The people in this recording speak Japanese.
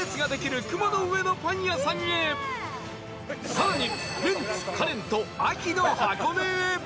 更に